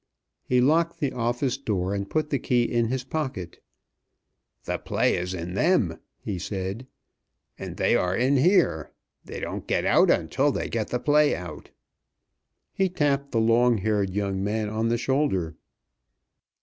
He locked the office door, and put the key in his pocket. "The play is in them," he said, "and they are in here. They don't get out until they get the play out." He tapped the long haired young man on the shoulder.